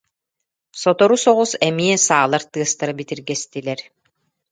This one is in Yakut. Сотору соҕус эмиэ саалар тыастара битиргэстилэр